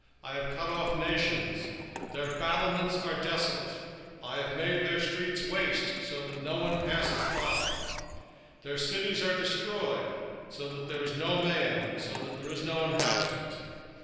3:6 I have cut off the nations: their towers are desolate; I made their streets waste, that none passeth by: their cities are destroyed, so that there is no man, that there is none inhabitant.